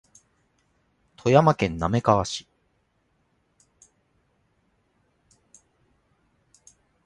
富山県滑川市